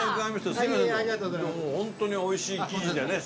本当においしい生地でね